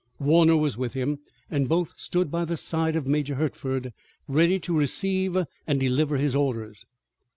Warner was with him and both stood by the side of Major Hertford, ready to receive and deliver his orders.